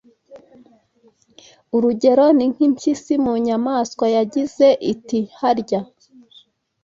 Urugero ni nk’impyisi mu nyamaswa yagize iti Harya